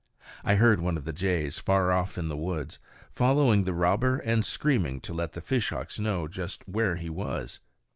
I heard one of the jays far off in the woods, following the robber and screaming to let the fishhawks know just where he was.